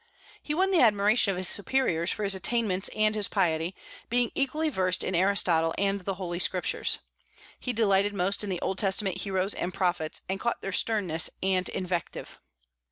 He won the admiration of his superiors for his attainments and his piety, being equally versed in Aristotle and the Holy Scriptures. He delighted most in the Old Testament heroes and prophets, and caught their sternness and invective.